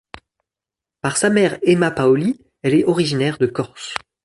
Par sa mère Emma Paoli, elle est originaire de Corse.